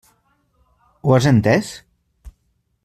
Ho has entès?